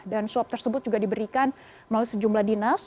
dan swap tersebut juga diberikan melalui sejumlah dinas